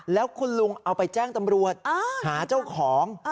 แล้วคุณลุงเอาไปแจ้งตำรวจหาเจ้าของ